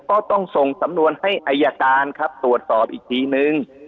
ก็ต้องส่งสำนวนให้อายการครับตรวจสอบอีกทีนึง